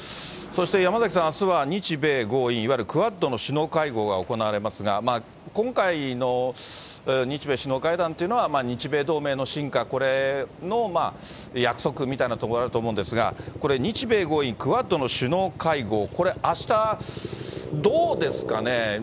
そして山崎さん、あすは日米豪印、いわゆるクアッドの首脳会合が行われますが、今回の日米首脳会談というのは、日米同盟の進化、これの約束みたいなところだと思うんですが、これ、日米豪印、クアッドの首脳会合、これ、あした、どうですかね。